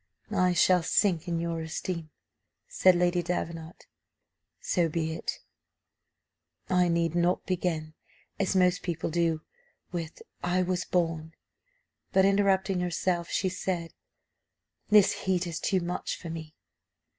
"I shall sink in your esteem," said Lady Davenant "so be it." "I need not begin, as most people do, with 'I was born' " but, interrupting herself, she said, "this heat is too much for me."